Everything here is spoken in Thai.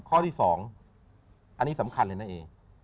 ข้อที่๒อันนี้สำคัญเลยนะเอ